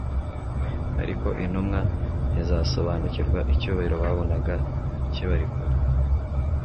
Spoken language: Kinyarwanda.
Ariko intumwa ntizasobariukirwa. Icyubahiro babonaga kibari kure.